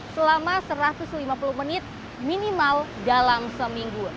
selama satu ratus lima puluh menit minimal dalam seminggu